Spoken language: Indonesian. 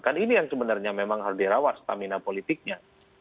kan ini yang sebenarnya memang harus dirawat stamina politiknya